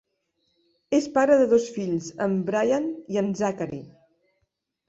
És pare de dos fills, en Bryant i en Zachary.